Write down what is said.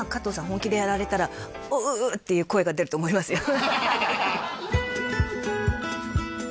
本気でやられたら「ううう」っていう声が出ると思いますよ